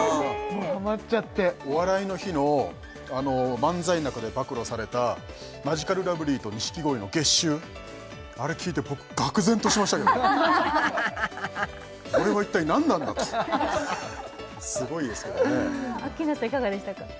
もうハマっちゃって「お笑いの日」の漫才ん中で暴露されたマヂカルラブリーと錦鯉の月収あれ聞いて僕がく然としましたけどね俺は一体何なんだとすごいですけどねアッキーナさん